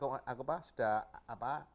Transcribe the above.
sudah kita sudah